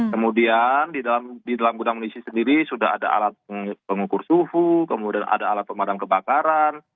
kemudian di dalam gudang misi sendiri sudah ada alat pengukur suhu kemudian ada alat pemadam kebakaran